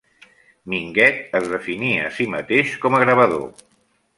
Minguet es definia a si mateix com a gravador.